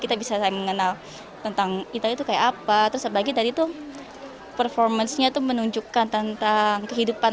kita bisa mengenal tentang itu kayak apa terus bagi dari itu performance itu menunjukkan tentang kehidupan